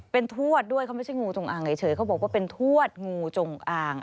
เป็นทวดด้วยเขาไม่ใช่งูจงอางเฉยเขาบอกว่าเป็นทวดงูจงอาง